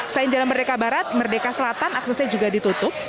selain jalan merdeka barat merdeka selatan aksesnya juga ditutup